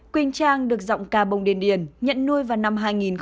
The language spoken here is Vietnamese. quỳnh trang được giọng ca bông điền điền nhận nuôi vào năm hai nghìn một mươi